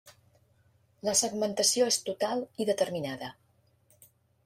La segmentació és total i determinada.